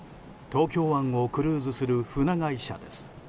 東京湾をクルーズする船会社です。